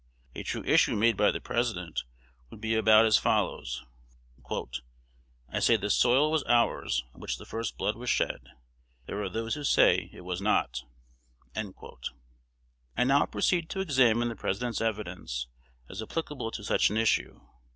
A true issue made by the President would be about as follows: "I say the soil was ours on which the first blood was shed; there are those who say it was not." I now proceed to examine the President's evidence, as applicable to such an issue.